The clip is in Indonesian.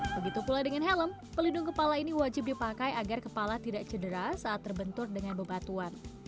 begitu pula dengan helm pelindung kepala ini wajib dipakai agar kepala tidak cedera saat terbentur dengan bebatuan